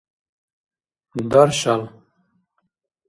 даршал